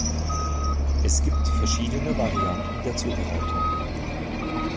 Es gibt verschiedene Varianten der Zubereitung.